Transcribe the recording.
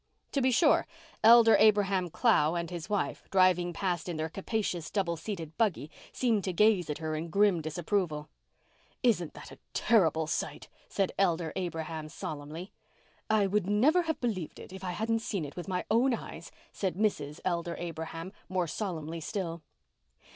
To be sure, Elder Abraham Clow and his wife, driving past in their capacious double seated buggy, seemed to gaze at her in grim disapproval. "Isn't that a terrible sight?" said Elder Abraham solemnly. "I would never have believed it if I hadn't seen it with my own eyes," said Mrs. Elder Abraham, more solemnly still.